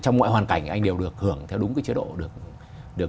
trong ngoại hoàn cảnh anh đều được hưởng theo đúng cái chế độ